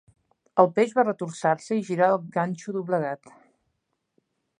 El peix va retorçar-se i girar el ganxo doblegat.